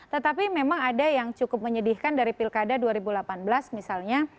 tetapi memang ada yang cukup menyedihkan dari pilkada dua ribu delapan belas misalnya